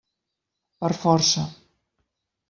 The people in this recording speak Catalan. Per força.